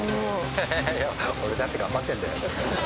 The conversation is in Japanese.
ハハハ俺だって頑張ってんだよ。